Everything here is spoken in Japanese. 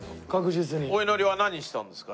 お祈りは何したんですか？